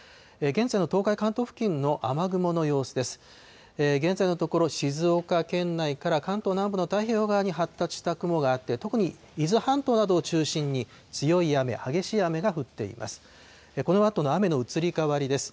現在のところ、静岡県内から関東南部の太平洋側に発達した雲があって、特に伊豆半島などを中心に、強い雨、激しい雨が降っています。